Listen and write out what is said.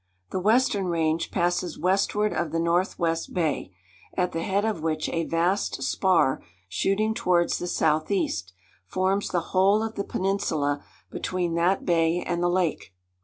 The western range passes westward of the north west bay, at the head of which a vast spar, shooting towards the south east, forms the whole of the peninsula between that bay and the lake.